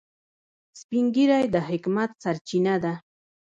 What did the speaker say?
سپین ږیری د حکمت سرچینه ده